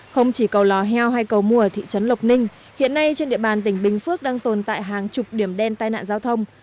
không chỉ cầu lò heo hay cầu mua ở thị trấn lộc ninh hiện nay trên địa bàn tỉnh bình phước đang tồn tại hàng chục điểm đen tai nạn giao thông